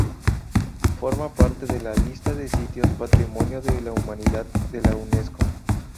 Forma parte de la lista de sitios Patrimonio de la Humanidad de la Unesco.